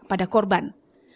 ketika korban menangkap